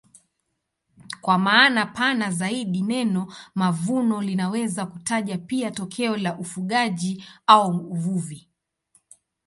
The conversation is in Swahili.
Kwa maana pana zaidi neno mavuno linaweza kutaja pia tokeo la ufugaji au uvuvi.